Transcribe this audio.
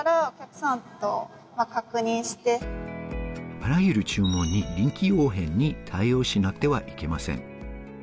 あらゆる注文に臨機応変に対応しなくてはいけません。